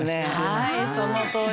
はいそのとおりです。